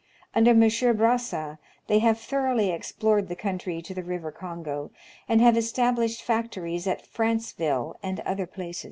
Under M. Brazza, they have thoroughly explored the country to the river Kongo, and have established factories at Franceville and other places.